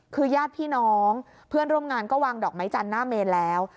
คือญาติพี่น้องเพื่อนร่วมงานก็วางดอกไม้จันทร์หน้าเมนแล้ว